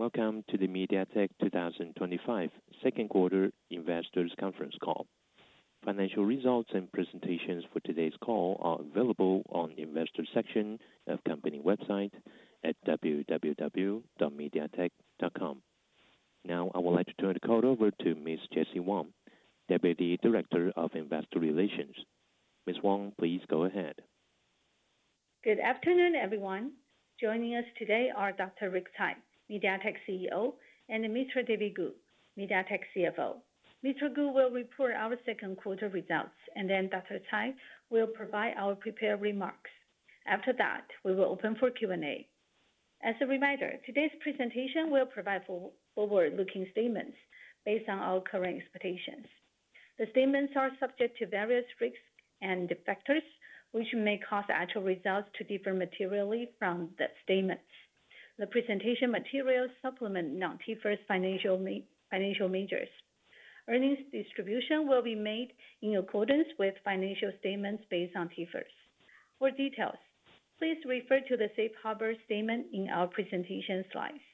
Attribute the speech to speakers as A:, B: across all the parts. A: Welcome to the MediaTek 2025 2nd Quarter Investors Conference call. Financial results and presentations for today's call are available on the Investors section of the company website at www.mediatek.com. Now, I would like to turn the call over to Ms. Jessie Wang, Deputy Director of Investor Relations. Ms. Wang, please go ahead.
B: Good afternoon, everyone. Joining us today are Dr. Rick Tsai, MediaTek CEO, and Mr. David Ku, MediaTek CFO. Mr. Ku will report our 2nd quarter results, and then Dr. Tsai will provide our prepared remarks. After that, we will open for Q&A. As a reminder, today's presentation will provide forward-looking statements based on our current expectations. The statements are subject to various risks and factors, which may cause actual results to differ materially from the statements. The presentation materials supplement non-TFRS financial measures. Earnings distribution will be made in accordance with financial statements based on TFRS. For details, please refer to the Safe Harbor statement in our presentation slides.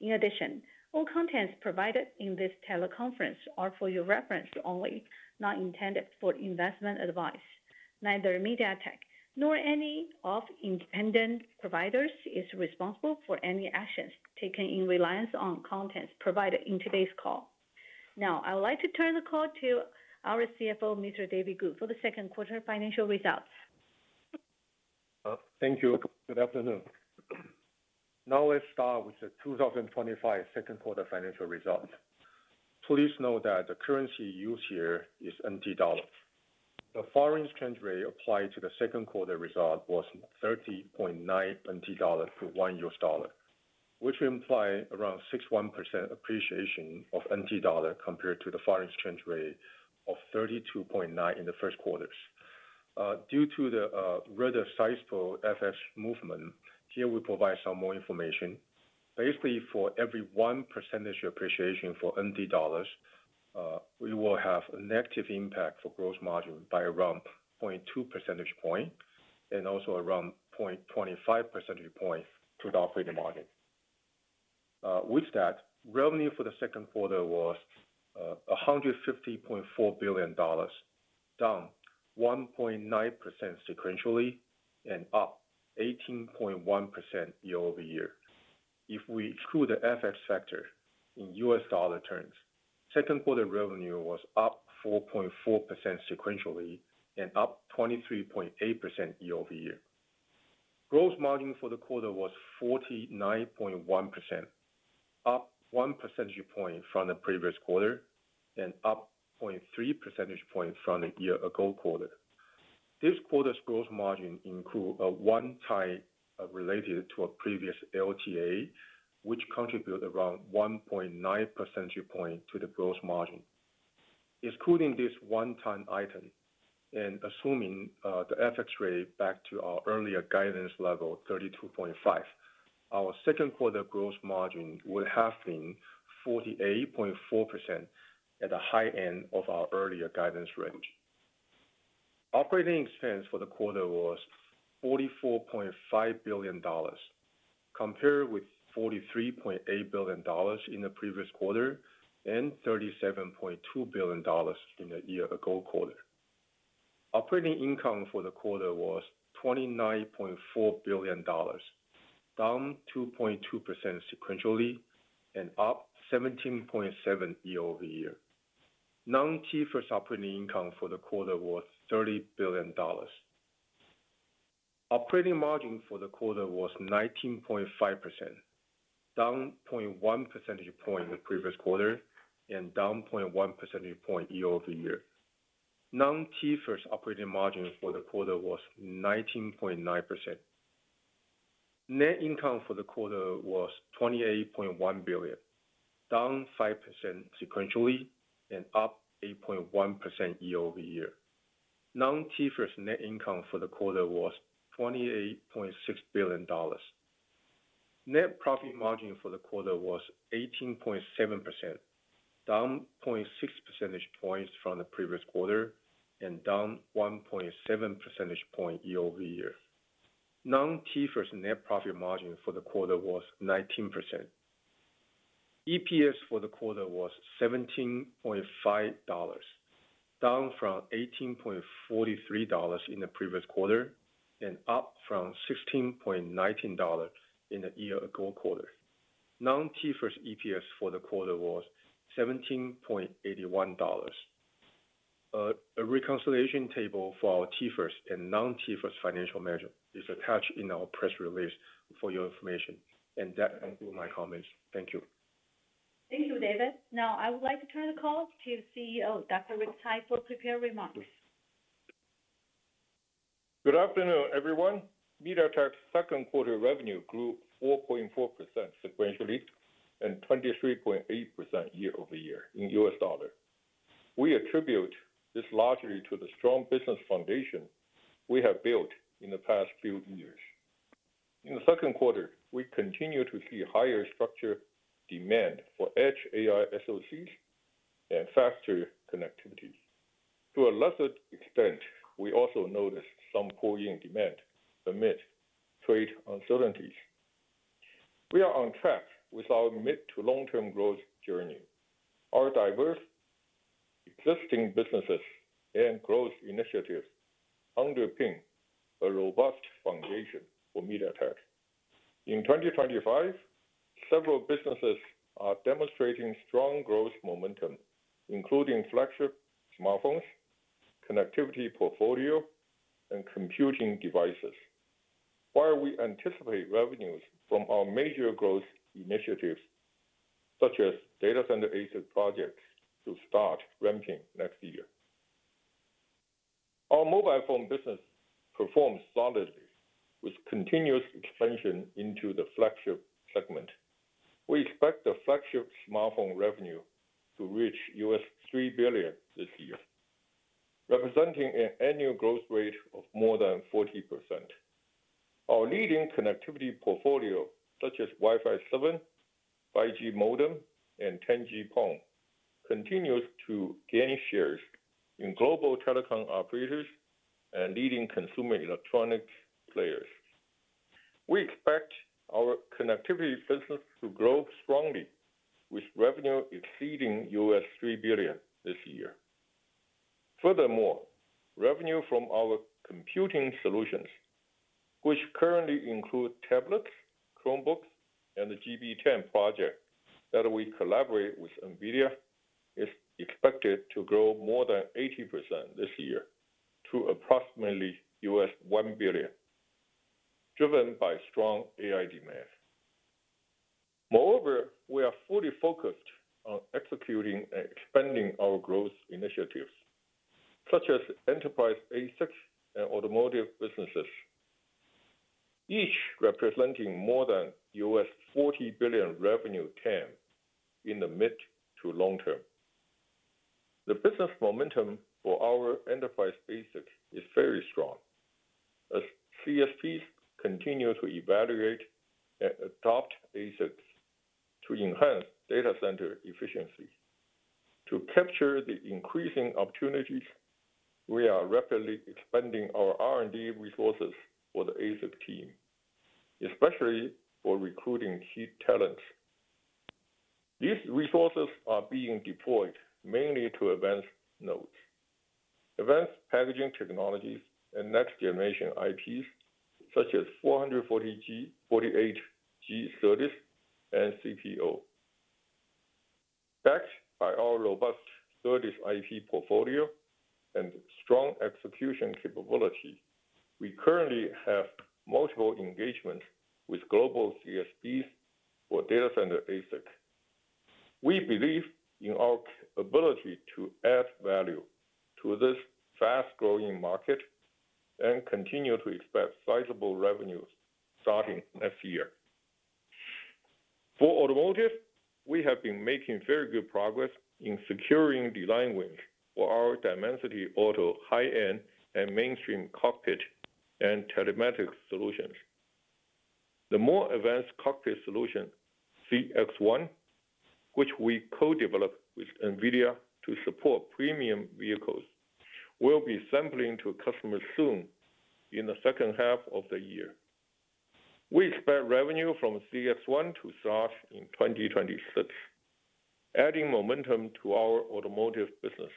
B: In addition, all contents provided in this teleconference are for your reference only, not intended for investment advice. Neither MediaTek nor any of the independent providers is responsible for any actions taken in reliance on contents provided in today's call. Now, I would like to turn the call to our CFO, Mr. David Ku, for the 2nd quarter financial results.
C: Thank you. Good afternoon. Now, let's start with the 2025 2nd quarter financial results. Please note that the currency used here is NT dollars. The foreign exchange rate applied to the 2nd quarter result was 30.9 for $1, which implies around 6.1% appreciation of NT dollar compared to the foreign exchange rate of 32.9 in the 1st quarter. Due to the rather sizable FX movement, here we provide some more information. Basically, for every 1% appreciation for NT dollars, we will have a negative impact for gross margin by around 0.2 percentage points and also around 0.25 percentage points to the operating margin. With that, revenue for the 2nd quarter was 150.4 billion dollars, down 1.9% sequentially and up 18.1% year-over-year. If we exclude the FX factor, in U.S. dollar terms, 2nd quarter revenue was up 4.4% sequentially and up 23.8% year-over-year. Gross margin for the quarter was 49.1%, up 1 percentage point from the previous quarter and up 0.3 percentage points from the year-ago quarter. This quarter's gross margin includes a one-time related to a previous LTA, which contributed around 1.9 percentage points to the gross margin. Excluding this one-time item and assuming the FX rate back to our earlier guidance level of 32.5, our 2nd quarter gross margin would have been 48.4% at the high end of our earlier guidance range. Operating expense for the quarter was 44.5 billion dollars, compared with 43.8 billion dollars in the previous quarter and 37.2 billion dollars in the year-ago quarter. Operating income for the quarter was 29.4 billion dollars, down 2.2% sequentially and up 17.7% year-over-year. Non-TFRS operating income for the quarter was 30 billion dollars. Operating margin for the quarter was 19.5%, down 0.1 percentage points in the previous quarter and down 0.1 percentage points year-over-year. Non-TFRS operating margin for the quarter was 19.9%. Net income for the quarter was 28.1 billion, down 5% sequentially and up 8.1% year-over-year. Non-TFRS net income for the quarter was 28.6 billion dollars. Net profit margin for the quarter was 18.7%, down 0.6 percentage points from the previous quarter and down 1.7 percentage points year-over-year. Non-TFRS net profit margin for the quarter was 19%. EPS for the quarter was 17.5 dollars, down from 18.43 dollars in the previous quarter and up from 16.19 dollars in the year-ago quarter. Non-TFRS EPS for the quarter was 17.81 dollars. A reconciliation table for our TFRS and non-TFRS financial measure is attached in our press release for your information, and that concludes my comments. Thank you.
B: Thank you, David. Now, I would like to turn the call to CEO Dr. Rick Tsai for prepared remarks.
D: Good afternoon, everyone. MediaTek's 2nd quarter revenue grew 4.4% sequentially and 23.8% year-over-year in U.S. dollars. We attribute this largely to the strong business foundation we have built in the past few years. In the second quarter, we continue to see higher structured demand for edge AI SoCs and faster connectivity. To a lesser extent, we also noticed some pooling demand amid trade uncertainties. We are on track with our mid to long-term growth journey. Our diverse existing businesses and growth initiatives underpin a robust foundation for MediaTek. In 2025, several businesses are demonstrating strong growth momentum, including flagship smartphones, connectivity portfolios, and computing devices. While we anticipate revenues from our major growth initiatives, such as data center ASIC projects, to start ramping next year. Our mobile phone business performs solidly with continuous expansion into the flagship segment. We expect the flagship smartphone revenue to reach $3 billion this year, representing an annual growth rate of more than 40%. Our leading connectivity portfolio, such as Wi-Fi 7, 5G modem, and 10G PON, continues to gain shares in global telecom operators and leading consumer electronics players. We expect our connectivity business to grow strongly, with revenue exceeding $3 billion this year. Furthermore, revenue from our computing solutions, which currently include tablets, Chromebooks, and the GB10 project that we collaborate with NVIDIA, is expected to grow more than 80% this year to approximately $1 billion, driven by strong AI demand. Moreover, we are fully focused on executing and expanding our growth initiatives, such as enterprise ASICs and automotive businesses, each representing more than $40 billion revenue TAM in the mid to long term. The business momentum for our enterprise ASICs is very strong, as CSPs continue to evaluate and adopt ASICs to enhance data center efficiency. To capture the increasing opportunities, we are rapidly expanding our R&D resources for the ASIC team, especially for recruiting key talents. These resources are being deployed mainly to advanced nodes, advanced packaging technologies, and next-generation IPs, such as 400G, 48G service, and CPO. Backed by our robust service IP portfolio and strong execution capability, we currently have multiple engagements with global CSPs for data center ASIC. We believe in our ability to add value to this fast-growing market. We continue to expect sizable revenues starting next year. For automotive, we have been making very good progress in securing design wins for our Dimensity Auto high-end and mainstream cockpit and telematics solutions. The more advanced cockpit solution, CX-1, which we co-developed with NVIDIA to support premium vehicles, will be sampling to customers soon in the second half of the year. We expect revenue from CX-1 to start in 2026, adding momentum to our automotive business,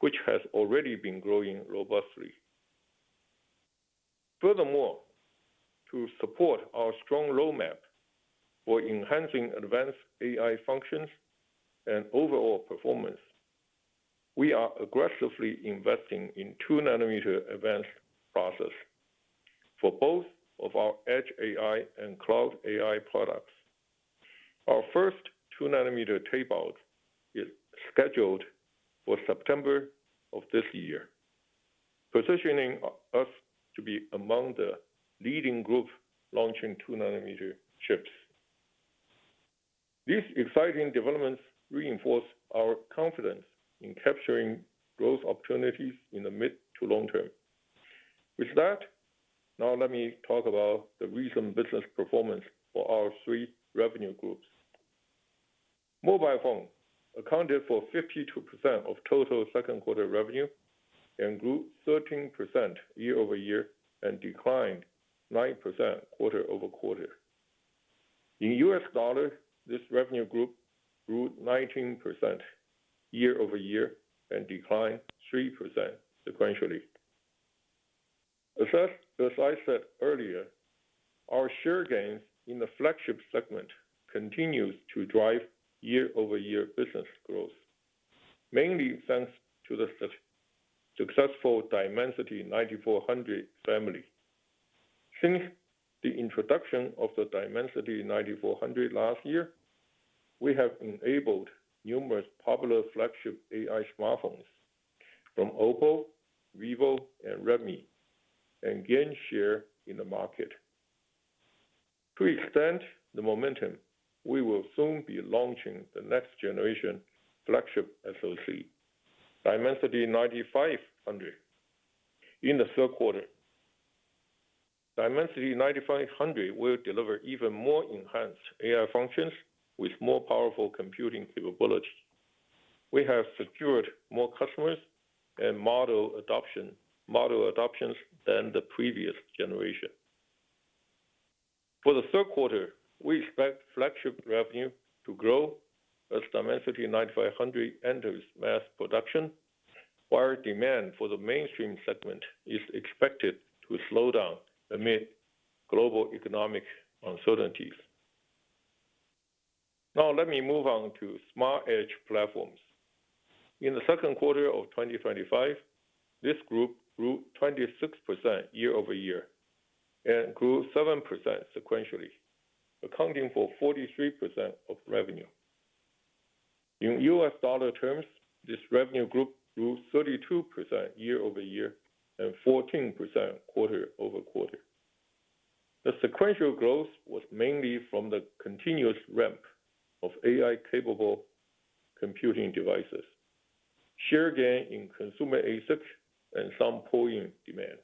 D: which has already been growing robustly. Furthermore, to support our strong roadmap for enhancing advanced AI functions and overall performance, we are aggressively investing in two-nanometer advanced process for both of our edge AI and cloud AI products. Our first two-nanometer tape-out is scheduled for September of this year, positioning us to be among the leading group launching two-nanometer chips. These exciting developments reinforce our confidence in capturing growth opportunities in the mid to long term. With that, now let me talk about the recent business performance for our three revenue groups. Mobile phones accounted for 52% of total 2nd quarter revenue and grew 13% year-over-year and declined 9% quarter-over-quarter. In U.S. dollars, this revenue group grew 19% year-over-year and declined 3% sequentially. As I said earlier, our share gains in the flagship segment continue to drive year-over-year business growth, mainly thanks to the successful Dimensity 9400 family. Since the introduction of the Dimensity 9400 last year, we have enabled numerous popular flagship AI smartphones from OPPO, Vivo, and Redmi to gain share in the market. To extend the momentum, we will soon be launching the next-generation flagship SoC, Dimensity 9500, in the 3rd quarter. Dimensity 9500 will deliver even more enhanced AI functions with more powerful computing capabilities. We have secured more customers and model adoptions than the previous generation. For the 3rd quarter, we expect flagship revenue to grow as Dimensity 9500 enters mass production, while demand for the mainstream segment is expected to slow down amid global economic uncertainties. Now, let me move on to smart edge platforms. In the 2nd quarter of 2025, this group grew 26% year-over-year and grew 7% sequentially, accounting for 43% of revenue. In U.S. dollar terms, this revenue group grew 32% year-over-year and 14% quarter-over-quarter. The sequential growth was mainly from the continuous ramp of AI-capable. Computing devices. Share gain in consumer ASICs and some pooling demand.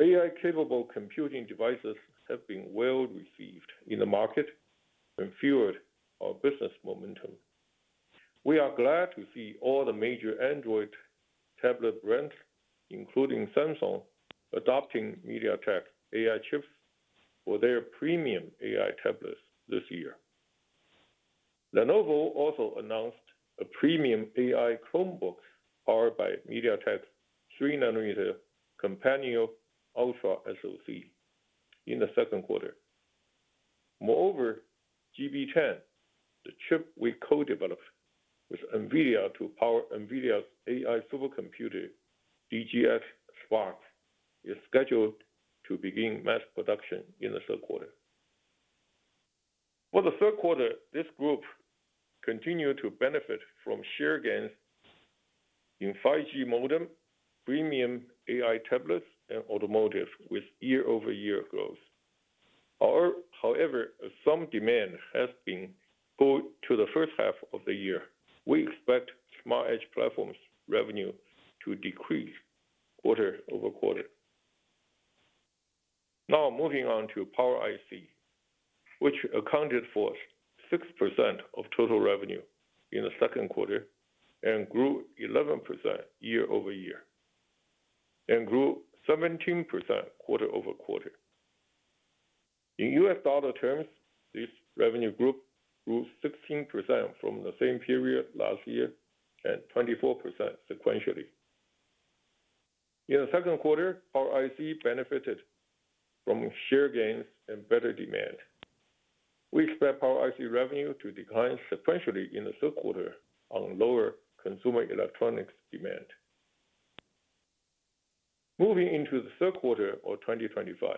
D: AI-capable computing devices have been well received in the market and fueled our business momentum. We are glad to see all the major Android tablet brands, including Samsung, adopting MediaTek AI chips for their premium AI tablets this year. Lenovo also announced a premium AI Chromebook powered by MediaTek's three-nanometer Companion Ultra SoC in the 2nd quarter. Moreover, GB10, the chip we co-developed with NVIDIA to power NVIDIA's AI supercomputer, DGX Spark, is scheduled to begin mass production in the 3rd quarter. For the 3rd quarter, this group continued to benefit from share gains in 5G modem, premium AI tablets, and automotive with year-over-year growth. However, as some demand has been pulled to the first half of the year, we expect smart edge platforms' revenue to decrease quarter-over-quarter. Now, moving on to Power IC, which accounted for 6% of total revenue in the second quarter and grew 11% year-over-year and grew 17% quarter-over-quarter. In U.S. dollar terms, this revenue group grew 16% from the same period last year and 24% sequentially. In the 2nd quarter, Power IC benefited from share gains and better demand. We expect Power IC revenue to decline sequentially in the 3rd quarter on lower consumer electronics demand. Moving into the 3rd quarter of 2025,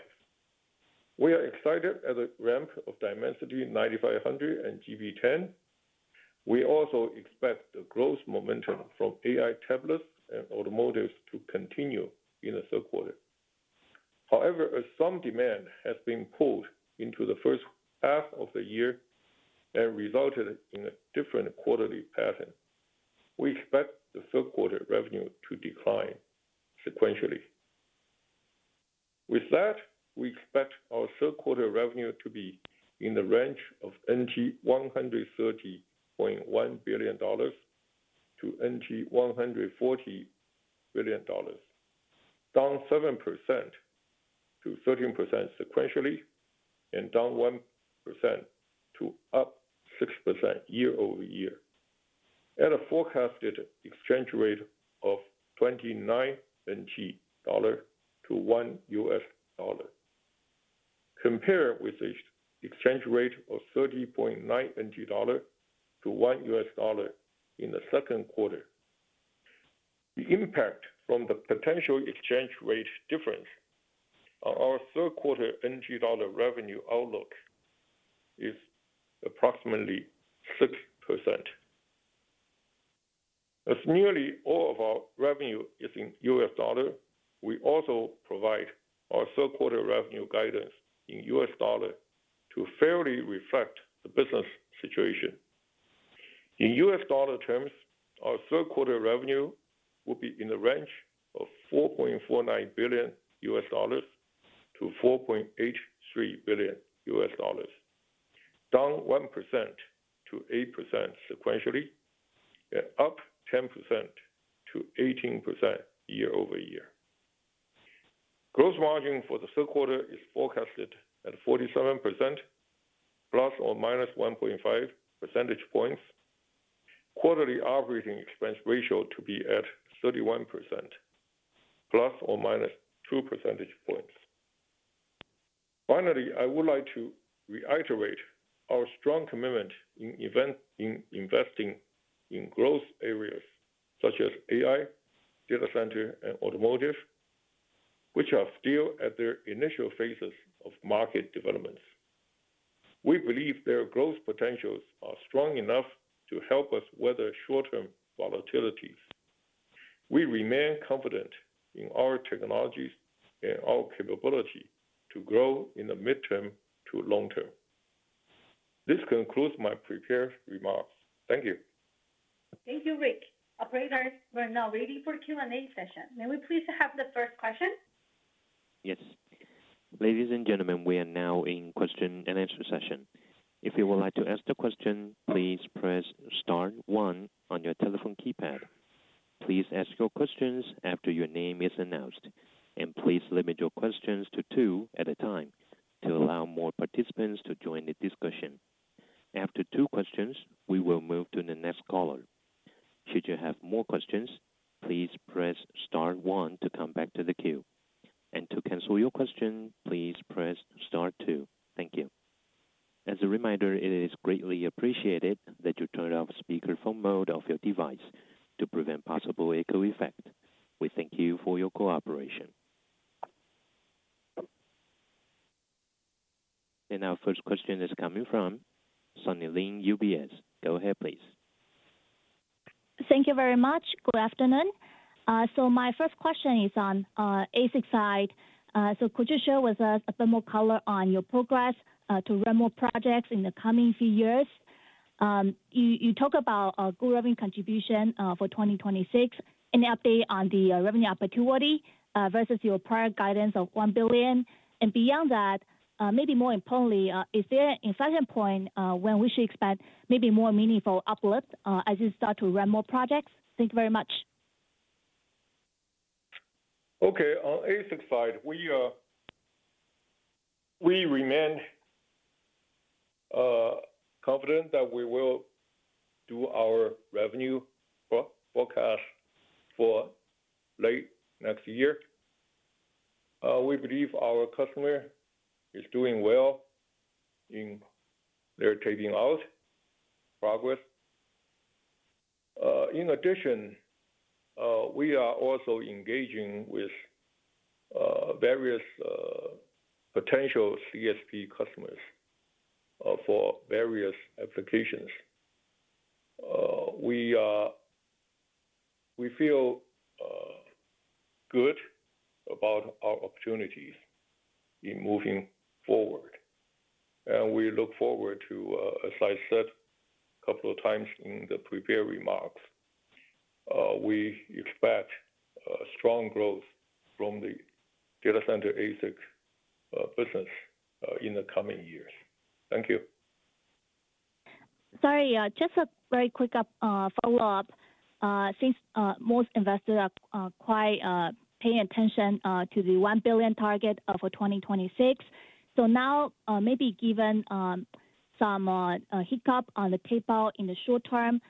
D: we are excited at the ramp of Dimensity 9500 and GB10. We also expect the growth momentum from AI tablets and automotives to continue in the 3rd quarter. However, as some demand has been pulled into the first half of the year and resulted in a different quarterly pattern, we expect the 3rd quarter revenue to decline sequentially. With that, we expect our 3rd quarter revenue to be in the range of 130.1 billion-140 billion dollars, down 7%-13% sequentially, and down 1% to up 6% year-over-year. At a forecasted exchange rate of 29.1 dollar to $1 USD, compared with the exchange rate of 30.90 dollar to $1 USD in the 2nd quarter. The impact from the potential exchange rate difference on our 3rd quarter NT dollar revenue outlook is approximately 6%. As nearly all of our revenue is in U.S. dollar, we also provide our 3rd quarter revenue guidance in U.S. dollar to fairly reflect the business situation. In U.S. dollar terms, our 3rd quarter revenue will be in the range of $4.49 billion-$4.83 billion, down 1%-8% sequentially, and up 10%-18% year-over-year. Gross margin for the 3rd quarter is forecasted at 47%, plus or minus 1.5 percentage points. Quarterly operating expense ratio to be at 31%, plus or minus 2 percentage points. Finally, I would like to reiterate our strong commitment in investing in growth areas such as AI, data center, and automotive, which are still at their initial phases of market development. We believe their growth potentials are strong enough to help us weather short-term volatilities. We remain confident in our technologies and our capability to grow in the midterm to long term. This concludes my prepared remarks. Thank you.
B: Thank you, Rick. Operators are now ready for Q&A session. May we please have the first question?
A: Yes. Ladies and gentlemen, we are now in question and answer session. If you would like to ask a question, please press star one on your telephone keypad. Please ask your questions after your name is announced. Please limit your questions to two at a time to allow more participants to join the discussion. After two questions, we will move to the next caller. Should you have more questions, please press star one to come back to the queue. To cancel your question, please press star two. Thank you. As a reminder, it is greatly appreciated that you turn off speakerphone mode of your device to prevent possible echo effect. We thank you for your cooperation. Our first question is coming from Sunny Lin, UBS. Go ahead, please.
E: Thank you very much. Good afternoon. My first question is on ASIC side. Could you share with us a bit more color on your progress to run more projects in the coming few years? You talk about good revenue contribution for 2026 and the update on the revenue opportunity versus your prior guidance of $1 billion. Beyond that, maybe more importantly, is there an inflection point when we should expect maybe more meaningful uplift as you start to run more projects? Thank you very much.
D: Okay. On ASIC side, we remain confident that we will do our revenue forecast for late next year. We believe our customer is doing well in their taking out progress. In addition, we are also engaging with various potential CSP customers for various applications. We feel good about our opportunities in moving forward. We look forward to, as I said a couple of times in the prepared remarks, we expect strong growth from the data center ASIC business in the coming years. Thank you.
E: Sorry, just a very quick follow-up. Since most investors are quite paying attention to the $1 billion target for 2026, so now maybe given some hiccup on the tape-out in the short term,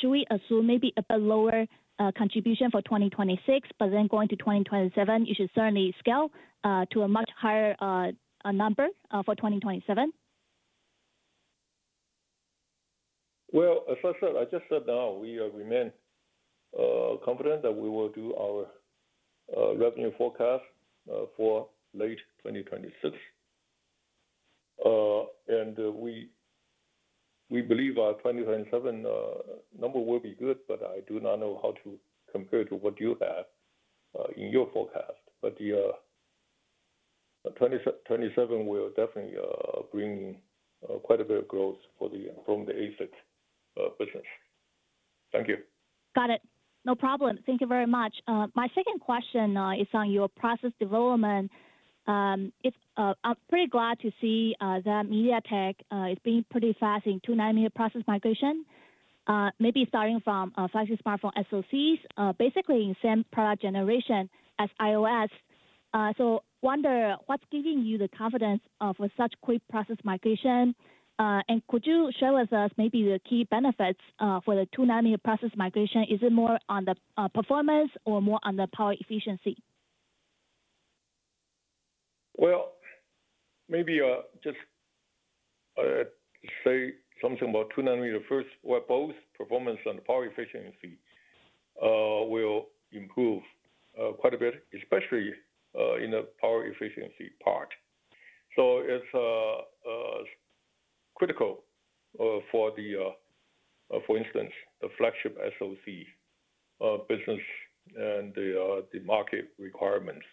E: should we assume maybe a bit lower contribution for 2026, but then going to 2027, you should certainly scale to a much higher number for 2027?
D: As I said, I just said now, we remain confident that we will do our revenue forecast for late 2026. We believe our 2027 number will be good, but I do not know how to compare to what you have in your forecast. 2027 will definitely bring quite a bit of growth from the ASIC business. Thank you.
E: Got it. No problem. Thank you very much. My second question is on your process development. I'm pretty glad to see that MediaTek is being pretty fast in two-nanometer process migration, maybe starting from flagship smartphone SoCs, basically in the same product generation as iOS. I wonder what's giving you the confidence for such quick process migration. Could you share with us maybe the key benefits for the two-nanometer process migration? Is it more on the performance or more on the power efficiency?
D: Maybe just say something about two-nanometer first, where both performance and power efficiency will improve quite a bit, especially in the power efficiency part. It's critical for, for instance, the flagship SoC business and the market requirements.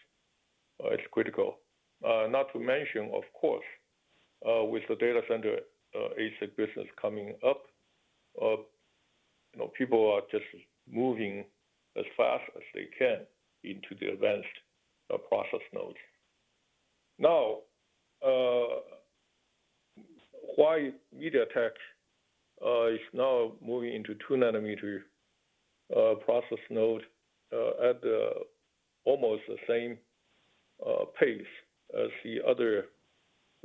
D: It's critical. Not to mention, of course, with the data center ASIC business coming up. People are just moving as fast as they can into the advanced process nodes. Now, why MediaTek is now moving into two-nanometer process node at almost the same pace as the other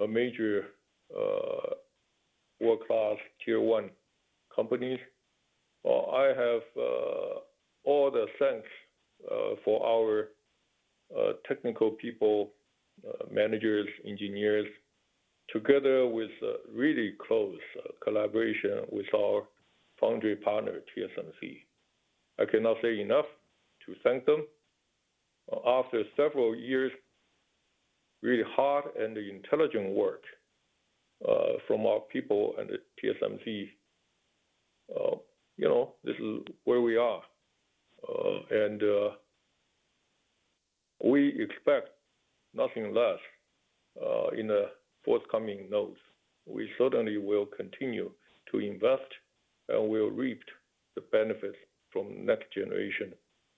D: major world-class tier one companies. I have all the sense for our technical people, managers, engineers, together with really close collaboration with our foundry partner, TSMC. I cannot say enough to thank them. After several years, really hard and intelligent work from our people and TSMC, this is where we are. We expect nothing less in the forthcoming nodes. We certainly will continue to invest and will reap the benefits from next-generation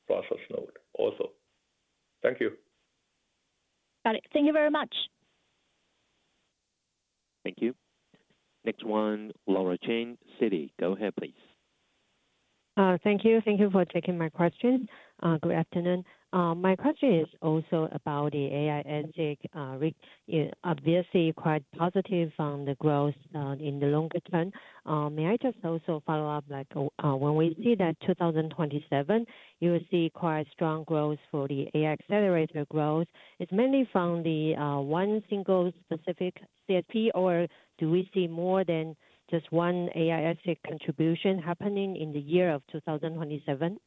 D: process node also. Thank you.
E: Got it. Thank you very much.
A: Thank you. Next one, Laura Chen, Citi, go ahead, please.
F: Thank you. Thank you for taking my question. Good afternoon. My question is also about the AI and obviously quite positive on the growth in the longer term. May I just also follow up? When we see that 2027, you will see quite strong growth for the AI accelerator growth. It's mainly from the one single specific CSP, or do we see more than just one AI ASIC contribution happening in the year of 2027?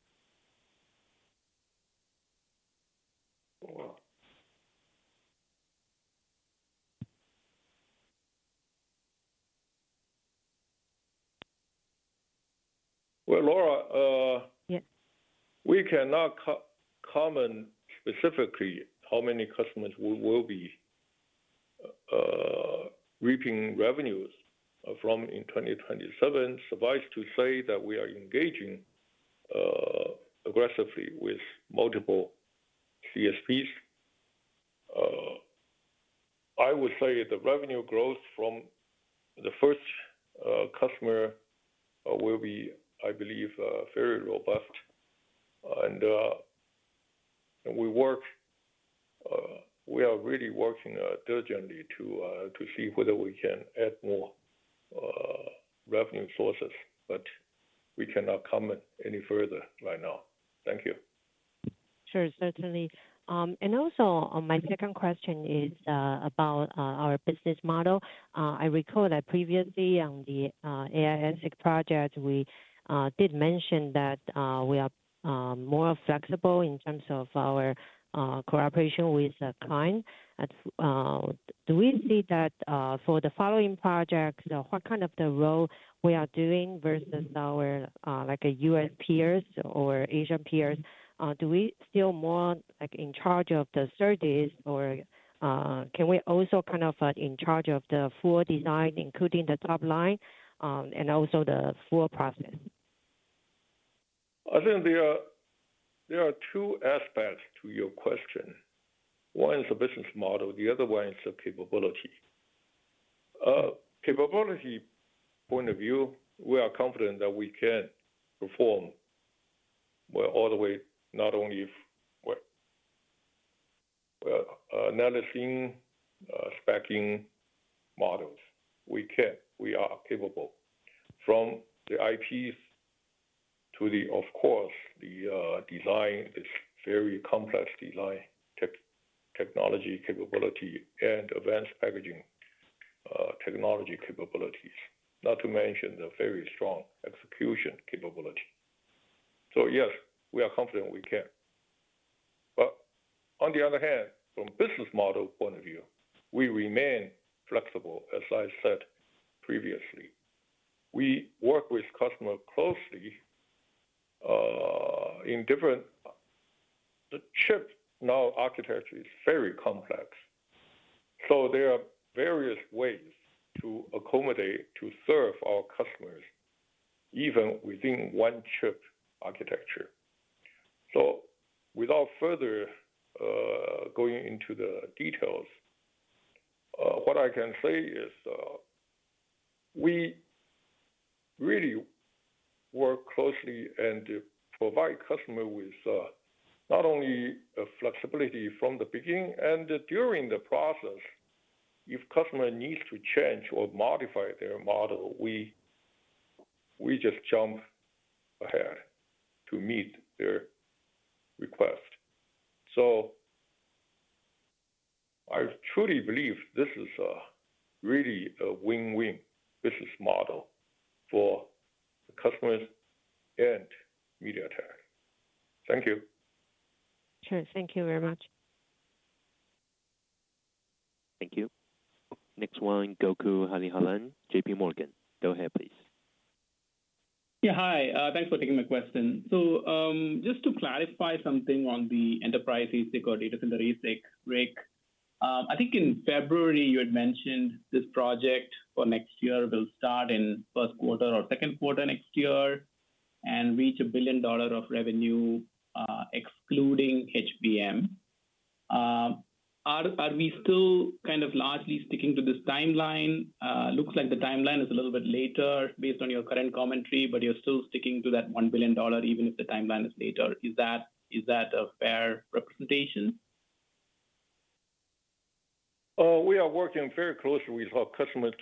D: Laura, we cannot comment specifically how many customers we will be reaping revenues from in 2027. Suffice to say that we are engaging aggressively with multiple CSPs. I would say the revenue growth from the first customer will be, I believe, very robust. We are really working diligently to see whether we can add more revenue sources, but we cannot comment any further right now. Thank you.
F: Sure, certainly. Also, my second question is about our business model. I recall that previously on the AI ASIC project, we did mention that we are more flexible in terms of our cooperation with the client. Do we see that for the following projects, what kind of role we are doing versus our U.S. peers or Asian peers? Are we still more in charge of the services, or can we also be in charge of the full design, including the top line and also the full process?
D: I think there are two aspects to your question. One is the business model. The other one is the capability. From a capability point of view, we are confident that we can perform all the way, not only analyzing, specifying models. We are capable from the IPs to, of course, the design, this very complex design, technology capability and advanced packaging technology capabilities, not to mention the very strong execution capability. Yes, we are confident we can. On the other hand, from a business model point of view, we remain flexible, as I said previously. We work with customers closely. The chip architecture now is very complex, so there are various ways to accommodate, to serve our customers even within one chip architecture. Without further going into the details, what I can say is we really work closely and provide customers with not only flexibility from the beginning and during the process. If customers need to change or modify their model, we just jump ahead to meet their request. I truly believe this is really a win-win business model for customers and MediaTek. Thank you.
F: Sure. Thank you very much.
A: Thank you. Next one, Gokul Hariharan, J.P. Morgan. Go ahead, please.
G: Yeah, hi. Thanks for taking my question. Just to clarify something on the enterprise ASIC or data center ASIC, Rick, I think in February you had mentioned this project for next year will start in 1st quarter or 2nd quarter next year and reach a $1 billion revenue, excluding HBM. Are we still largely sticking to this timeline? It looks like the timeline is a little bit later based on your current commentary, but you're still sticking to that $1 billion even if the timeline is later. Is that a fair representation?
D: We are working very closely with our customers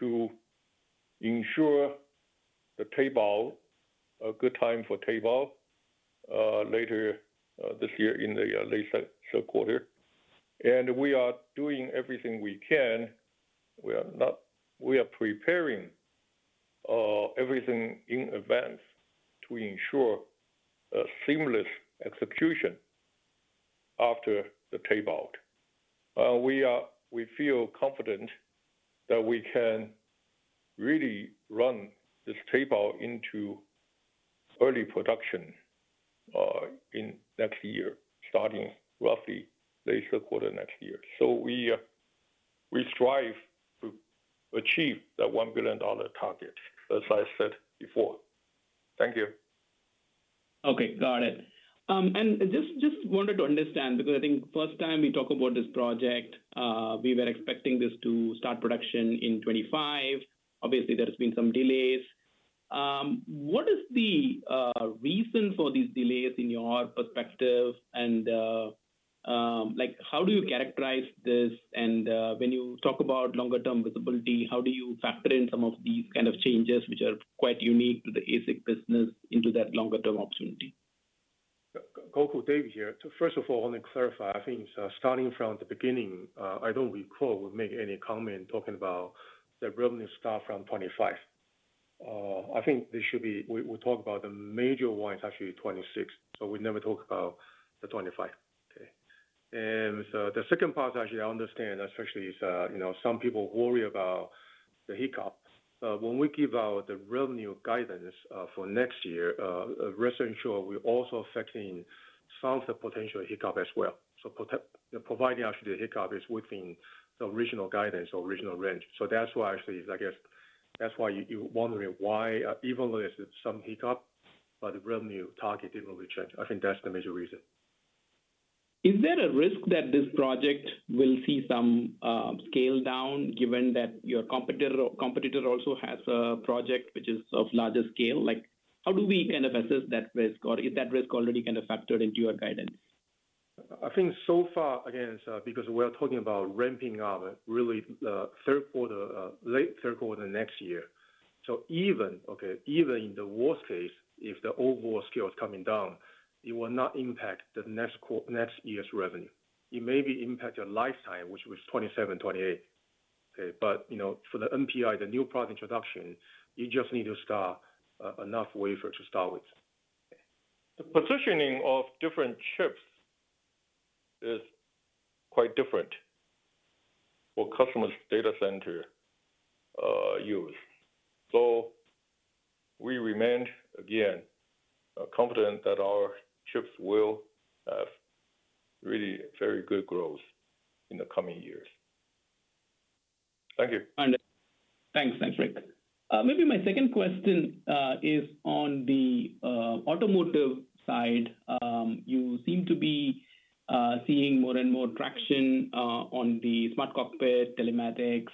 D: to ensure the tape-out, a good time for tape-out, later this year in the latest quarter. We are doing everything we can. We are preparing everything in advance to ensure seamless execution after the tape-out. We feel confident that we can really run this tape-out into early production next year, starting roughly latest quarter next year. We strive to achieve that $1 billion target, as I said before. Thank you.
G: Okay, got it. I just wanted to understand because I think first time we talked about this project, we were expecting this to start production in 2025. Obviously, there have been some delays. What is the reason for these delays in your perspective? How do you characterize this? When you talk about longer-term visibility, how do you factor in some of these kinds of changes which are quite unique to the ASIC business into that longer-term opportunity?
C: Gokul, David here. First of all, I want to clarify. I think starting from the beginning, I do not recall we made any comment talking about the revenue start from 2025. I think we talked about the major ones actually 2026. We never talked about 2025. The second part, actually, I understand, especially some people worry about the hiccup. When we give out the revenue guidance for next year, rest assured we are also factoring in some of the potential hiccup as well. So, actually, the hiccup is within the original guidance or original range. That is why, I guess, you are wondering why even though there is some hiccup, the revenue target did not really change. I think that is the major reason.
G: Is there a risk that this project will see some scale down given that your competitor also has a project which is of larger scale? How do we assess that risk? Or is that risk already factored into your guidance?
C: I think so far, again, because we are talking about ramping up really late third quarter next year. Even in the worst case, if the overall scale is coming down, it will not impact next year's revenue. It may impact your lifetime, which was 2027, 2028. Okay. For the NPI, the new product introduction, you just need to start enough wafer to start with.
D: The positioning of different chips is quite different for customers' data center use. We remain, again, confident that our chips will have really very good growth in the coming years. Thank you.
G: Thanks. Thanks, Rick. Maybe my second question is on the automotive side. You seem to be seeing more and more traction on the smart cockpit, telematics.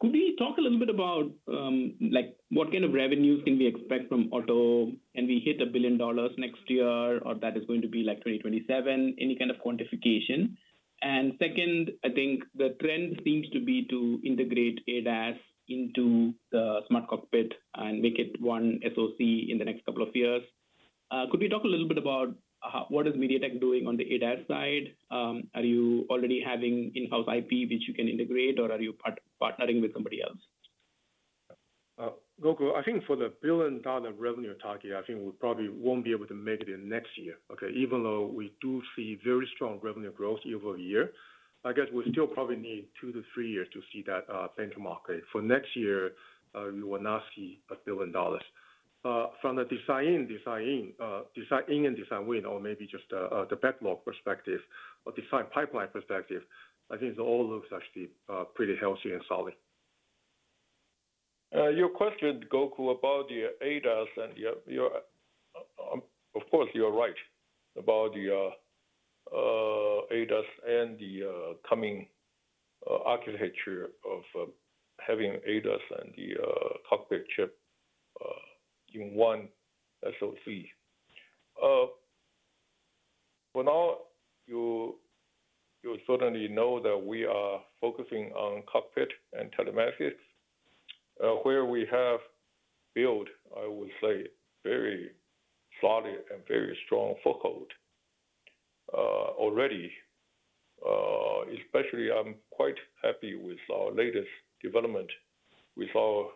G: Could we talk a little bit about what kind of revenues can we expect from auto? Can we hit a billion dollars next year, or is that going to be like 2027? Any kind of quantification? Second, I think the trend seems to be to integrate ADAS into the smart cockpit and make it one SoC in the next couple of years. Could we talk a little bit about what is MediaTek doing on the ADAS side? Are you already having in-house IP which you can integrate, or are you partnering with somebody else?
C: Gokul, I think for the billion dollar revenue target, I think we probably will not be able to make it next year. Okay. Even though we do see very strong revenue growth year-over-year, I guess we still probably need two to three years to see that benchmark. For next year, we will not see a billion dollars. From the design in and design win, or maybe just the backlog perspective or design pipeline perspective, I think it all looks actually pretty healthy and solid.
D: Your question, Gokul, about the ADAS and your—of course, you are right about the ADAS and the coming architecture of having ADAS and the cockpit chip in one SoC. For now, you certainly know that we are focusing on cockpit and telematics, where we have built, I would say, very solid and very strong foothold already. Especially, I am quite happy with our latest development with our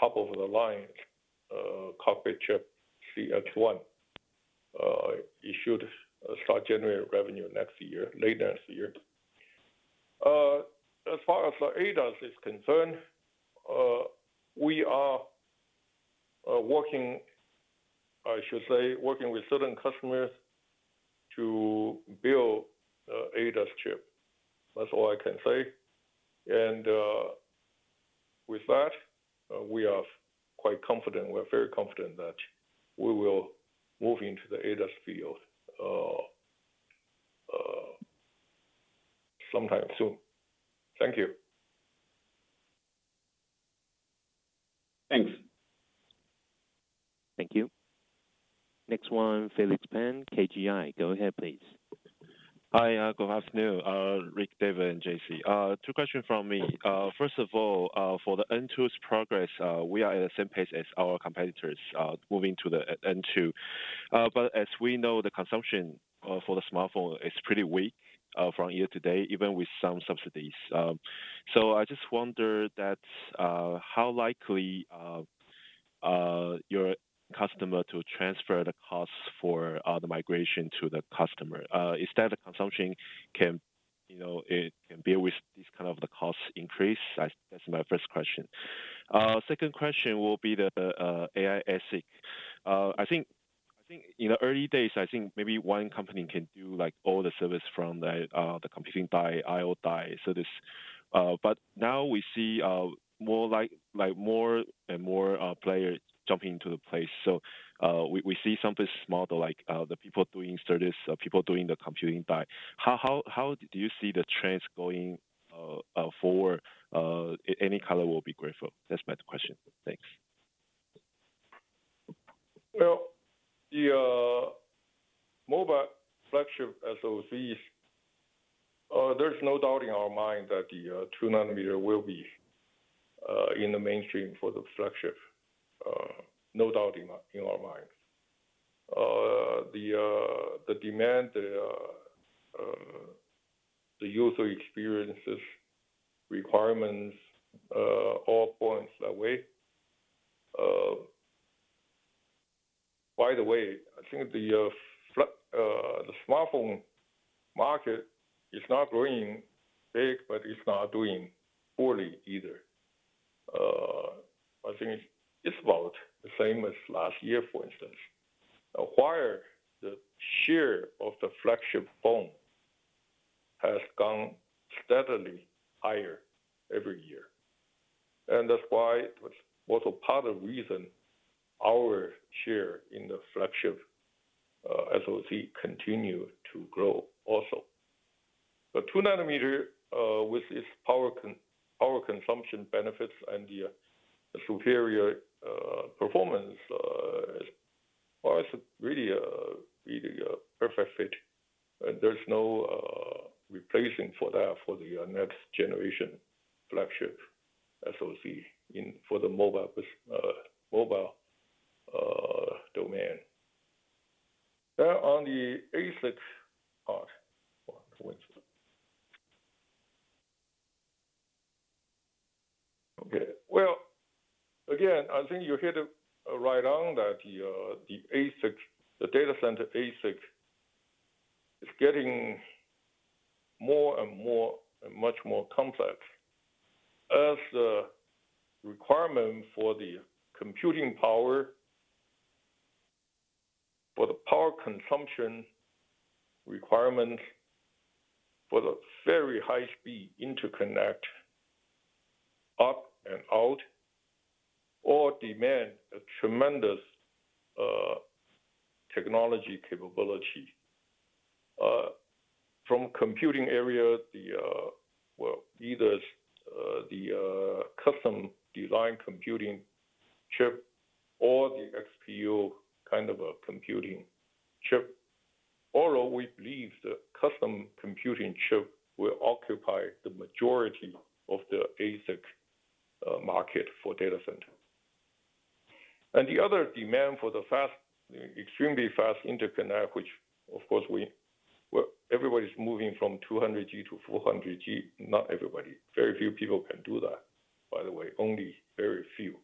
D: top-of-the-line cockpit chip, CX-1. It should start generating revenue next year, late next year. As far as the ADAS is concerned, we are working—I should say, working with certain customers to build the ADAS chip. That is all I can say. With that, we are quite confident. We are very confident that we will move into the ADAS field sometime soon. Thank you.
G: Thanks.
D: Thank you. Next one, Felix Pan, KGI. Go ahead, please.
H: Hi. Good afternoon. Rick, David, and Jessie. Two questions from me. First of all, for the N2's progress, we are at the same pace as our competitors moving to the N2. As we know, the consumption for the smartphone is pretty weak from year to date, even with some subsidies. I just wonder that, how likely your customer to transfer the costs for the migration to the customer? Is that the consumption can bear with this kind of the cost increase? That's my first question. Second question will be the AI ethic. I think in the early days, I think maybe one company can do all the service from the computing die, I/O die, service. Now we see more and more players jumping into the place. We see some business model like the people doing service, people doing the computing die. How do you see the trends going forward? Any color will be grateful. That's my question. Thanks.
D: The mobile flagship SoCs, there's no doubt in our mind that the 2 nanometer will be in the mainstream for the flagship. No doubt in our mind. The demand, the user experiences, requirements, all points that way. By the way, I think the smartphone market is not growing big, but it's not doing poorly either. I think it's about the same as last year, for instance. Acquire the share of the flagship phone has gone steadily higher every year. That was also part of the reason our share in the flagship SoC continued to grow also. The 2 nanometer with its power consumption benefits and the superior performance is really a perfect fit. There's no replacing for that for the next generation flagship SoC for the mobile domain. Now, on the ASIC part. I think you hit it right on that the data center ASIC is getting more and more and much more complex as the requirement for the computing power, for the power consumption requirements, for the very high-speed interconnect up and out, all demand a tremendous technology capability. From computing area, either the custom-designed computing chip or the XPU kind of a computing chip. Although we believe the custom computing chip will occupy the majority of the ASIC market for data center. The other demand for the extremely fast interconnect, which, of course, everybody's moving from 200G-400G. Not everybody. Very few people can do that, by the way. Only very few.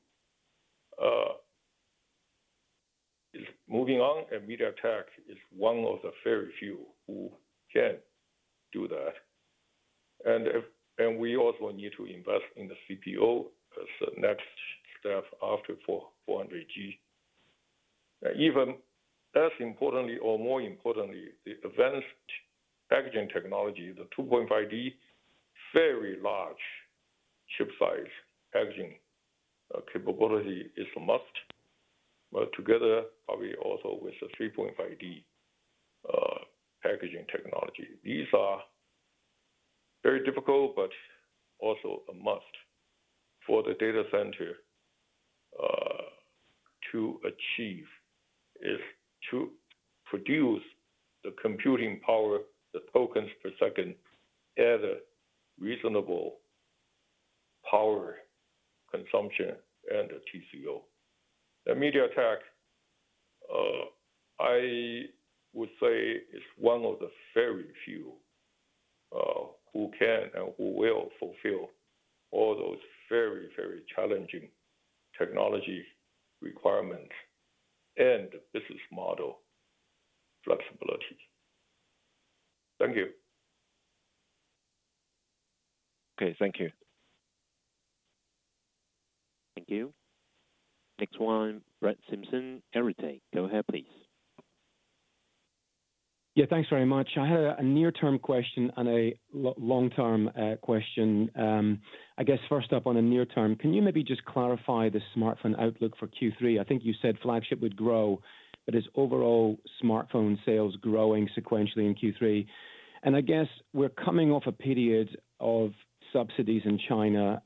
D: Moving on, and MediaTek is one of the very few who can do that. We also need to invest in the CPO as the next step after 400G. And even. As importantly or more importantly, the advanced XGEN technology, the 2.5D, very large chip size XGEN capability is a must. Together, probably also with the 3.5D packaging technology. These are very difficult, but also a must for the data center to achieve, to produce the computing power, the tokens per second at a reasonable power consumption and the TCO. MediaTek, I would say, is one of the very few who can and who will fulfill all those very, very challenging technology requirements and the business model flexibility. Thank you.
H: Okay. Thank you.
A: Thank you. Next one, Brett Simpson, Arete. Go ahead, please.
I: Yeah, thanks very much. I had a near-term question and a long-term question. I guess first up on a near-term, can you maybe just clarify the smartphone outlook for Q3? I think you said flagship would grow, but is overall smartphone sales growing sequentially in Q3? I guess we're coming off a period of subsidies in China,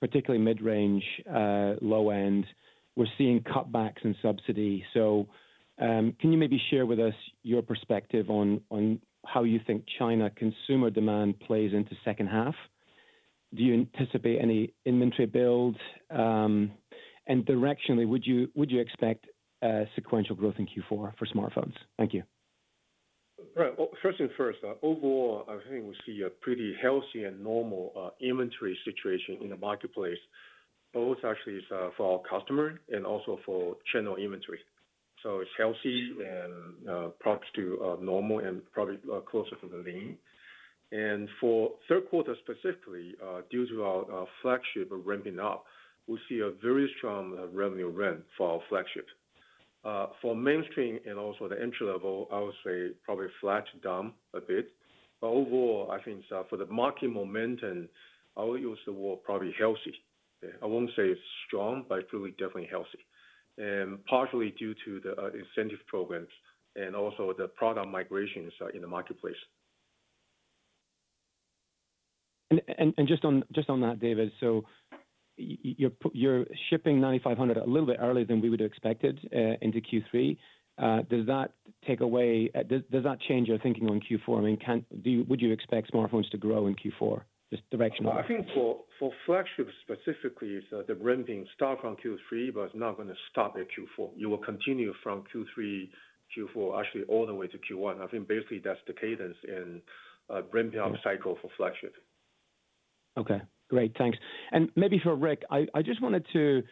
I: particularly mid-range, low-end. We're seeing cutbacks in subsidy. Can you maybe share with us your perspective on how you think China consumer demand plays into second half? Do you anticipate any inventory builds? Directionally, would you expect sequential growth in Q4 for smartphones? Thank you.
C: First things first, overall, I think we see a pretty healthy and normal inventory situation in the marketplace, both actually for our customer and also for channel inventory. It's healthy and props to normal and probably closer to the lean. For 3rd quarter specifically, due to our flagship ramping up, we see a very strong revenue run for our flagship. For mainstream and also the entry level, I would say probably flat to down a bit. Overall, I think for the market momentum, I would use the word probably healthy. I won't say it's strong, but it's really definitely healthy, and partially due to the incentive programs and also the product migrations in the marketplace.
I: Just on that, David, you're shipping 9500 a little bit earlier than we would have expected into Q3. Does that take away, does that change your thinking on Q4? I mean, would you expect smartphones to grow in Q4, just directionally?
C: I think for flagship specifically, the ramping starts from Q3, but it's not going to stop at Q4. You will continue from Q3, Q4, actually all the way to Q1. I think basically that's the cadence and ramping up cycle for flagship.
I: Okay. Great. Thanks. Maybe for Rick, I just wanted to.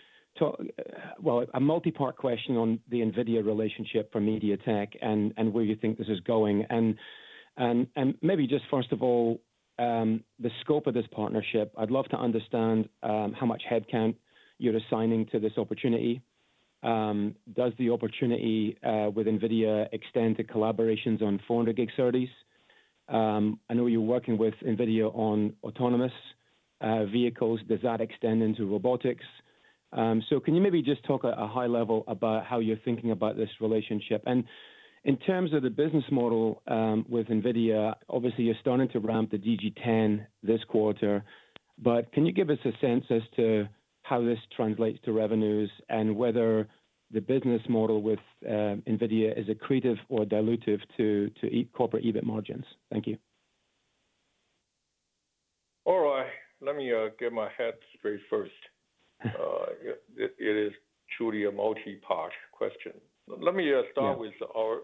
I: A multi-part question on the NVIDIA relationship for MediaTek and where you think this is going. Maybe just first of all, the scope of this partnership, I'd love to understand how much headcount you're assigning to this opportunity. Does the opportunity with NVIDIA extend to collaborations on 400G servers? I know you're working with NVIDIA on autonomous vehicles. Does that extend into robotics? Can you maybe just talk at a high level about how you're thinking about this relationship? In terms of the business model with NVIDIA, obviously, you're starting to ramp the GB10 this quarter. Can you give us a sense as to how this translates to revenues and whether the business model with NVIDIA is accretive or dilutive to corporate EBIT margins? Thank you.
D: All right. Let me get my head straight first. It is truly a multi-part question. Let me start with our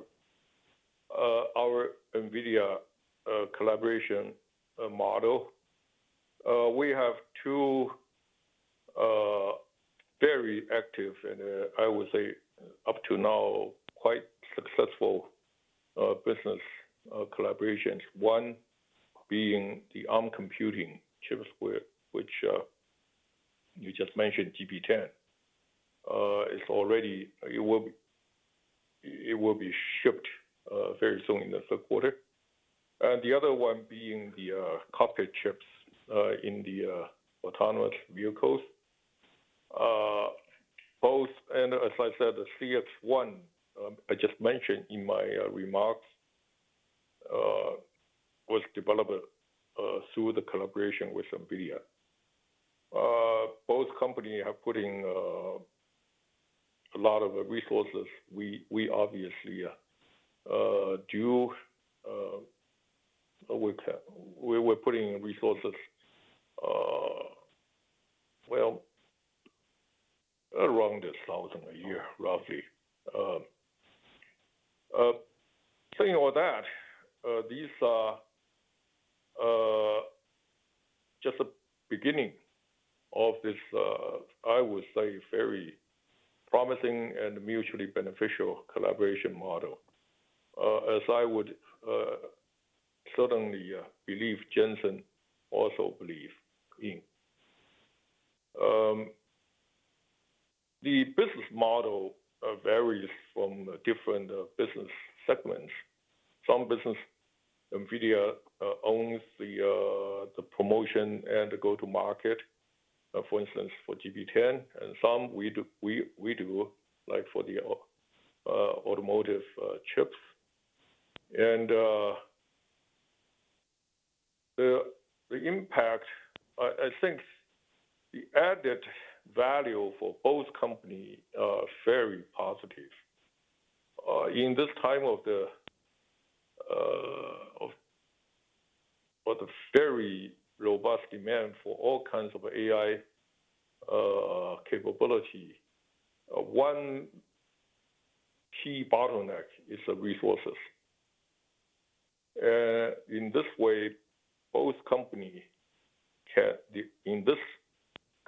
D: NVIDIA collaboration model. We have two very active, and I would say up to now quite successful, business collaborations. One being the ARM computing chips, which you just mentioned, GB10. It will be shipped very soon in the third quarter. The other one being the cockpit chips in the autonomous vehicles. As I said, the CX-1, I just mentioned in my remarks, was developed through the collaboration with NVIDIA. Both companies are putting a lot of resources. We obviously do. We're putting resources, well, around this thousand a year, roughly. Saying all that, these are just the beginning of this, I would say, very promising and mutually beneficial collaboration model. As I would certainly believe Jensen also believes in, the business model varies from different business segments. Some business, NVIDIA owns the promotion and the go-to-market, for instance, for GB10, and some we do, like for the automotive chips. The impact, I think, the added value for both companies is very positive. In this time of the very robust demand for all kinds of AI capability, one key bottleneck is the resources. In this way, both companies can, in this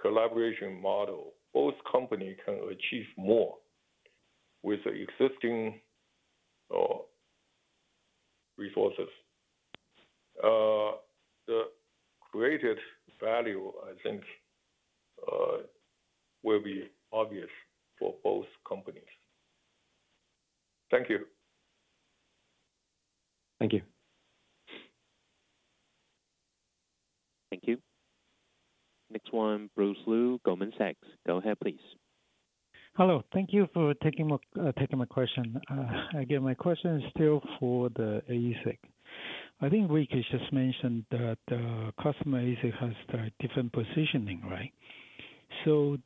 D: collaboration model, both companies can achieve more with the existing resources. The created value, I think, will be obvious for both companies. Thank you.
I: Thank you.
A: Thank you. Next one, Bruce Lu, Goldman Sachs. Go ahead, please.
J: Hello. Thank you for taking my question. Again, my question is still for the ASIC. I think Rick has just mentioned that customer ASIC has different positioning, right? Do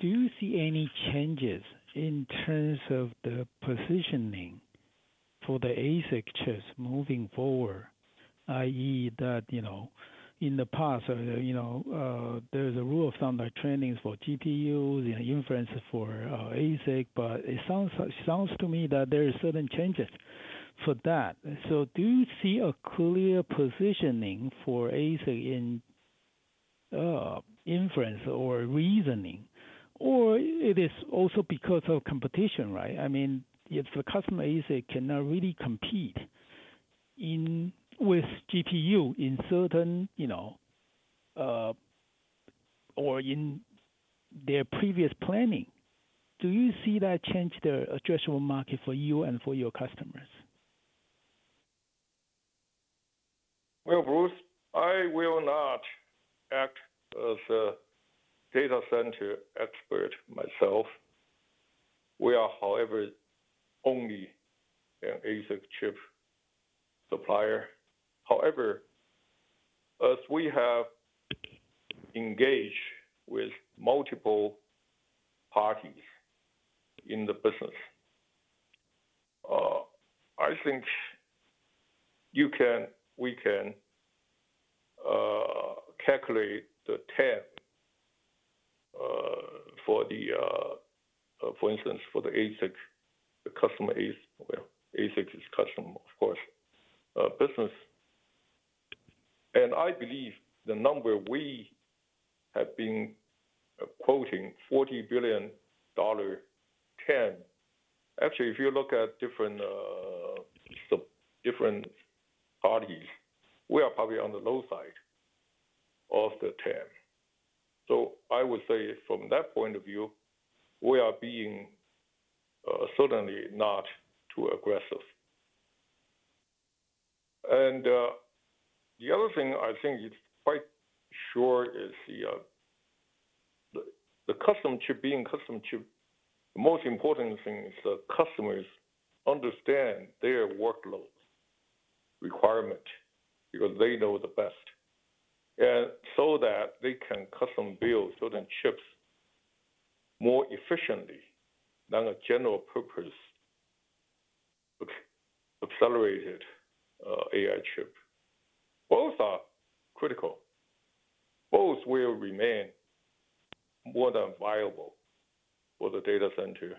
J: you see any changes in terms of the positioning for the ASIC chips moving forward, i.e., that in the past, there is a rule of thumb that training is for GPUs and inference for ASIC, but it sounds to me that there are certain changes for that. Do you see a clear positioning for ASIC in inference or reasoning, or is it also because of competition? I mean, if the customer ASIC cannot really compete with GPU in certain, or in their previous planning, do you see that change their addressable market for you and for your customers?
D: Bruce, I will not act as a data center expert myself. We are, however, only an ASIC chip supplier. As we have engaged with multiple parties in the business, I think we can calculate the TAM. For instance, for the ASIC, the customer ASIC is customer, of course, business. I believe the number we have been quoting is $40 billion TAM. Actually, if you look at different parties, we are probably on the low side of the TAM. I would say from that point of view, we are certainly not too aggressive. The other thing I think is quite sure is the customer chip being customer chip, the most important thing is the customers understand their workload requirement because they know the best, and so that they can custom build certain chips more efficiently than a general purpose accelerated AI chip. Both are critical. Both will remain more than viable for the data center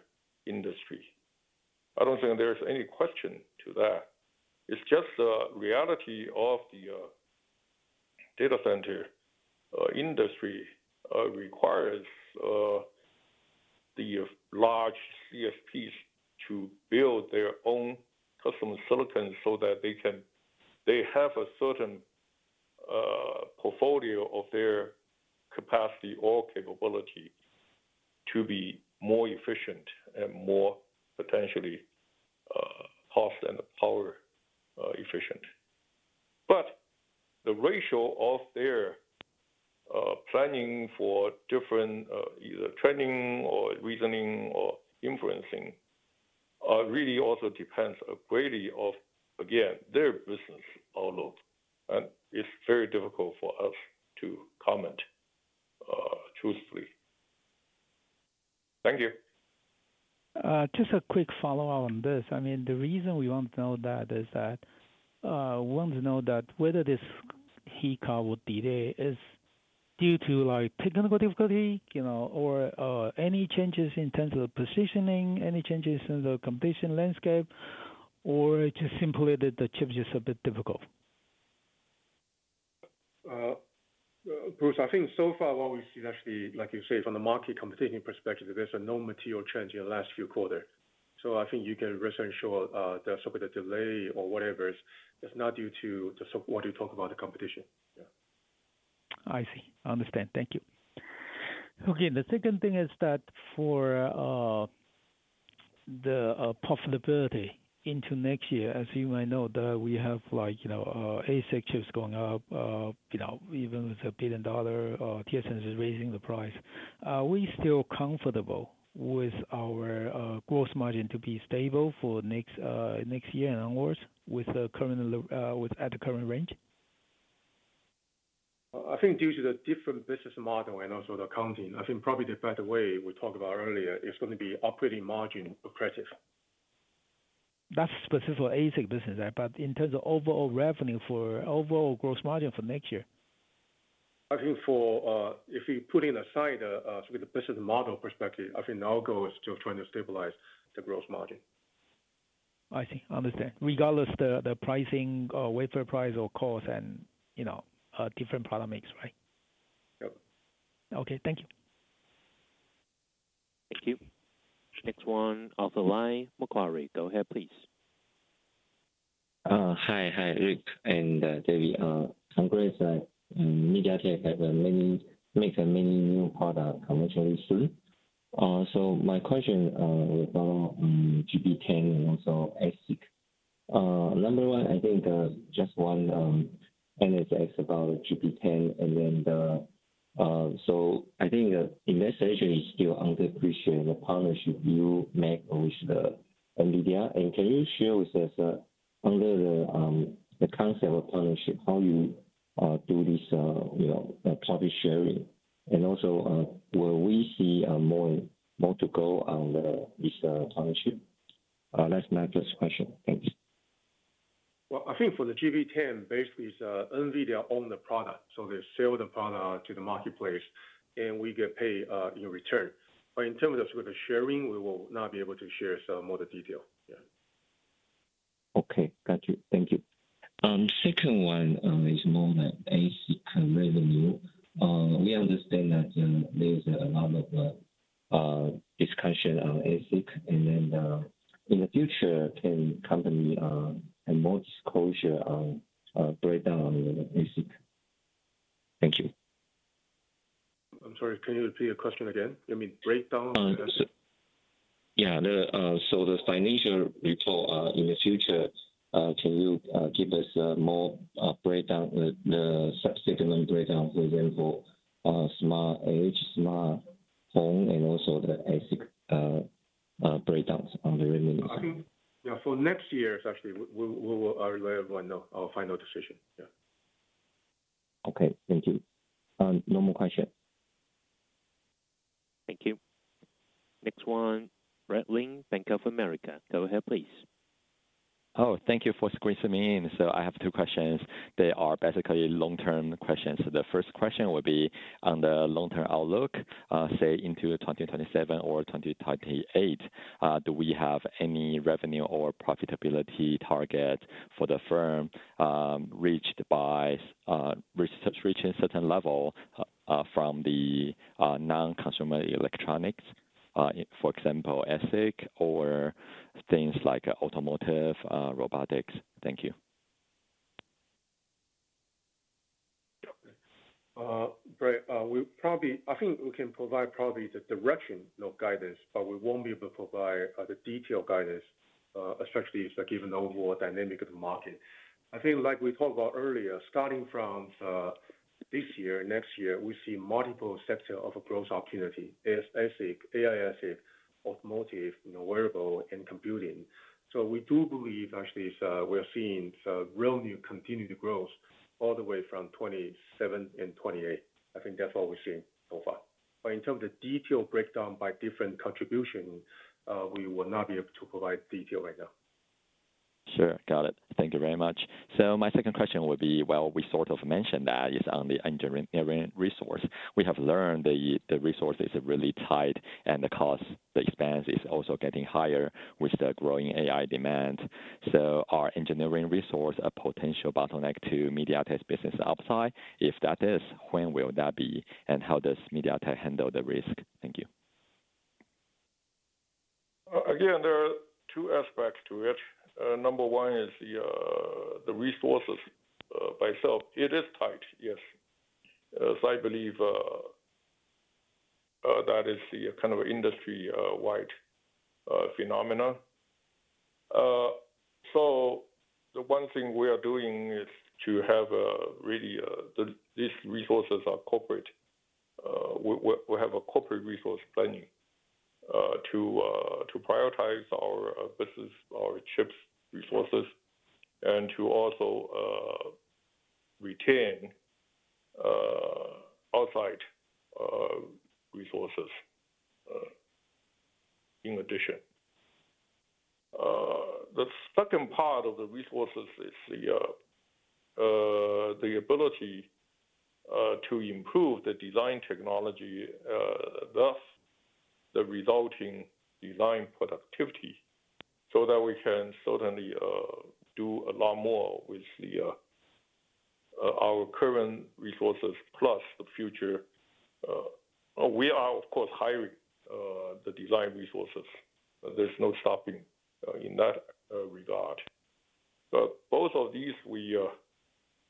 D: industry. I do not think there is any question to that. It is just the reality of the data center industry requires the large CSPs to build their own customer silicon so that they have a certain portfolio of their capacity or capability to be more efficient and more potentially cost and power efficient. The ratio of their planning for different either training or reasoning or inferencing really also depends greatly on, again, their business outlook, and it is very difficult for us to comment truthfully. Thank you.
J: Just a quick follow-up on this. The reason we want to know that is that we want to know whether this hiccup would be there due to technical difficulty or any changes in terms of the positioning, any changes in the competition landscape, or it is just simply that the chip is just a bit difficult.
C: Bruce, I think so far, what we see is actually, like you say, from the market competition perspective, there is no material change in the last few quarters. I think you can rest assured that some of the delay or whatever is not due to what you talk about, the competition. Yeah.
J: I see. I understand. Thank you. Okay. The second thing is that for the profitability into next year, as you might know, we have ASIC chips going up. Even with a billion-dollar TSMC raising the price. Are we still comfortable with our gross margin to be stable for next year and onwards at the current range?
C: I think due to the different business model and also the accounting, I think probably the better way we talked about earlier is going to be operating margin accredited.
J: That is specific for ASIC business, right? In terms of overall revenue for overall gross margin for next year,
C: I think if you put it aside with the business model perspective, I think the outgoal is still trying to stabilize the gross margin.
J: I see. I understand. Regardless of the pricing, wafer price or cost and different product mix, right?
C: Yep.
J: Okay. Thank you.
A: Thank you. Next one, Arthur Lai, Macquarie. Go ahead, please.
K: Hi. Hi, Rick and David. I'm great. MediaTek makes many new product commercially soon. My question will follow on GB10 and also ASIC. Number one, I think just one NSX about GB10. I think investor issue is still underappreciated in the partnership you make with NVIDIA. Can you share with us under the concept of partnership, how you do this partnership sharing? Also, will we see more to go on this partnership? That is my first question. Thanks.
C: I think for the GB10, basically, it's NVIDIA owned the product. They sell the product to the marketplace, and we get paid in return. In terms of the sharing, we will not be able to share some more detail. Yeah.
K: Okay. Got you. Thank you. Second one is more on ASIC revenue. We understand that there's a lot of discussion on ASIC. In the future, can the company have more disclosure on breakdown on ASIC? Thank you.
C: I'm sorry. Can you repeat your question again? You mean breakdown?
K: Yeah. The financial report in the future, can you give us more breakdown, the subsegment breakdown, for example, Smart Edge, Smart Home, and also the ASIC. Breakdowns on the revenue side?
C: Yeah. For next year, actually, we will have our final decision. Yeah.
K: Okay. Thank you. No more questions.
A: Thank you. Next one, Brad Lin, Bank of America. Go ahead, please.
L: Oh, thank you for squeezing me in. I have two questions. They are basically long-term questions. The first question would be on the long-term outlook, say, into 2027 or 2028, do we have any revenue or profitability target for the firm, reached by reaching a certain level from the non-consumer electronics, for example, ASIC, or things like automotive, robotics? Thank you.
C: Yep. Great. I think we can provide probably the direction, no guidance, but we won't be able to provide the detailed guidance, especially if given overall dynamic of the market. I think, like we talked about earlier, starting from this year and next year, we see multiple sectors of growth opportunity: ASIC, AI ASIC, automotive, wearable, and computing. So we do believe, actually, we're seeing real new continued growth all the way from 2027 and 2028. I think that's what we've seen so far. But in terms of detailed breakdown by different contribution, we will not be able to provide detail right now.
L: Sure. Got it. Thank you very much. My second question would be, we sort of mentioned that it's on the engineering resource. We have learned the resource is really tight, and the cost, the expense is also getting higher with the growing AI demand. Are engineering resources a potential bottleneck to MediaTek's business upside? If that is, when will that be, and how does MediaTek handle the risk? Thank you.
D: Again, there are two aspects to it. Number one is the resources by itself. It is tight, yes. As I believe, that is the kind of industry-wide phenomenon. The one thing we are doing is to have really these resources are corporate. We have a corporate resource planning to prioritize our chip resources and to also retain outside resources in addition. The second part of the resources is the ability to improve the design technology, thus the resulting design productivity so that we can certainly do a lot more with our current resources plus the future. We are, of course, hiring the design resources. There's no stopping in that regard. Both of these, we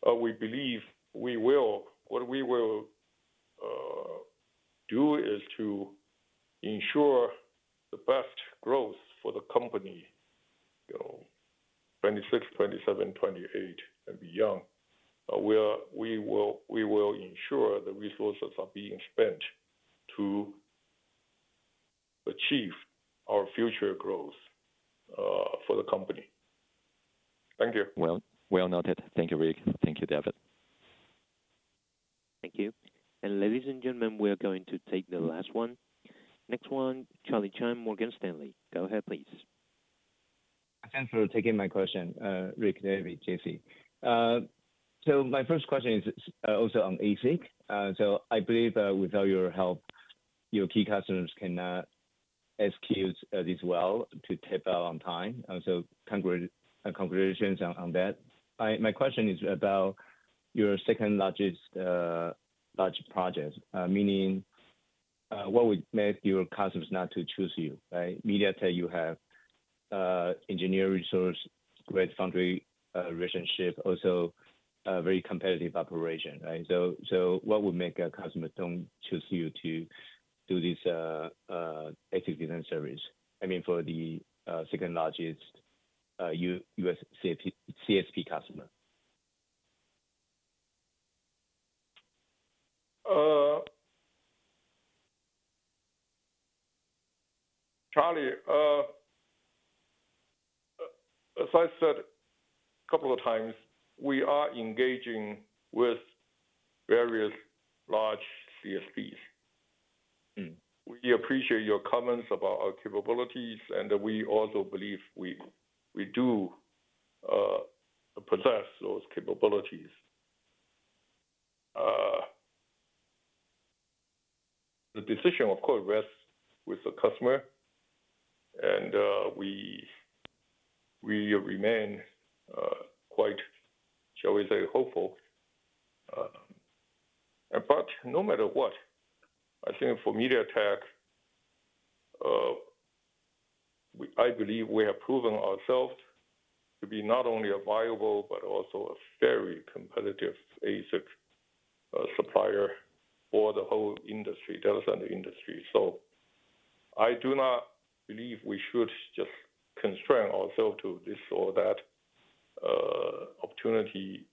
D: believe we will, what we will do is to ensure the best growth for the company. 2026, 2027, 2028, and beyond. We will ensure the resources are being spent to achieve our future growth for the company. Thank you.
L: Noted. Thank you, Rick. Thank you, David.
A: Thank you. Ladies and gentlemen, we are going to take the last one. Next one, Charlie Chan, Morgan Stanley. Go ahead, please.
M: Thanks for taking my question, Rick, David, Jessie. My first question is also on ASIC. I believe without your help, your key customers cannot execute this well to tape out on time. Congratulations on that. My question is about your second largest project, meaning, what would make your customers not choose you, right? MediaTek, you have engineering resource, great foundry relationship, also very competitive operation, right? What would make a customer not choose you to do this ASIC design service? I mean, for the second largest U.S. CSP customer.
D: Charlie, as I said a couple of times, we are engaging with various large CSPs. We appreciate your comments about our capabilities, and we also believe we do possess those capabilities. The decision, of course, rests with the customer, and we remain quite, shall we say, hopeful. No matter what, I think for MediaTek, I believe we have proven ourselves to be not only a viable but also a very competitive ASIC supplier for the whole industry, data center industry. I do not believe we should just constrain ourselves to this or that opportunity.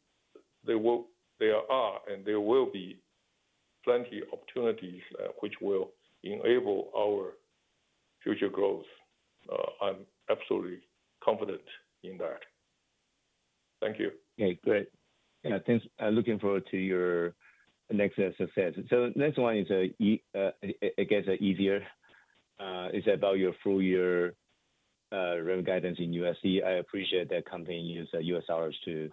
D: There are, and there will be, plenty of opportunities which will enable our future growth. I'm absolutely confident in that. Thank you.
M: Okay. Great. Yeah. Looking forward to your next success. The next one is, I guess, easier. It's about your full-year revenue guidance in USD. I appreciate that company uses U.S. dollars to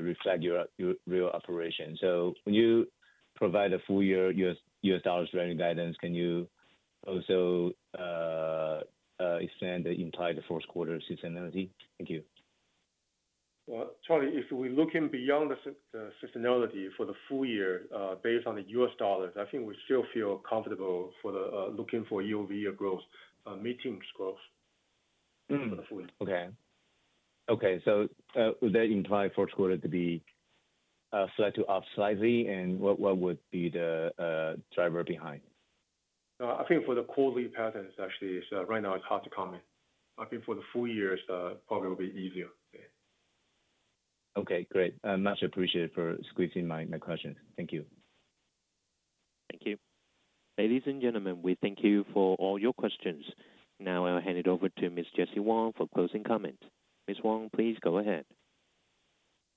M: reflect your real operation. When you provide a full-year U.S. dollars revenue guidance, can you also extend the implied 1st-quarter seasonality? Thank you.
C: Charlie, if we're looking beyond the seasonality for the full year based on the U.S. dollars, I think we still feel comfortable looking for EOV or growth, meaning growth, for the full year.
M: Okay. Okay. Would that imply 1st-quarter to be slight to upsizing? And what would be the driver behind?
C: I think for the quarterly patterns, actually, right now, it's hard to comment. I think for the full year, it probably will be easier.
M: Okay. Great. Much appreciated for squeezing my questions. Thank you.
A: Thank you. Ladies and gentlemen, we thank you for all your questions. Now, I'll hand it over to Ms. Jessie Wang for closing comments. Ms. Wang, please go ahead.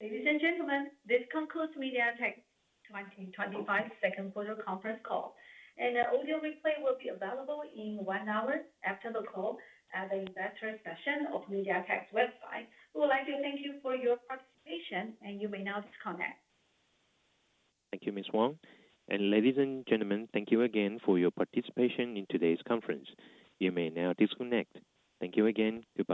B: Ladies and gentlemen, this concludes MediaTek 2025 2nd quarter conference call. The audio replay will be available in one hour after the call at the investor session of MediaTek's website. We would like to thank you for your participation, and you may now disconnect.
D: Thank you, Ms. Wang. Ladies and gentlemen, thank you again for your participation in today's conference. You may now disconnect. Thank you again.